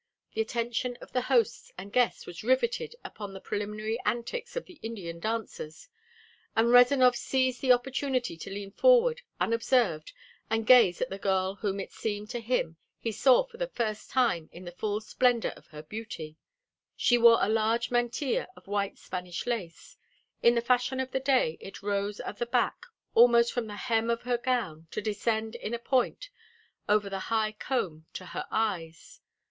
The attention of the hosts and guests was riveted upon the preliminary antics of the Indian dancers, and Rezanov seized the opportunity to lean forward unobserved and gaze at the girl whom it seemed to him he saw for the first time in the full splendor of her beauty. She wore a large mantilla of white Spanish lace. In the fashion of the day it rose at the back almost from the hem of her gown to descend in a point over the high comb to her eyes.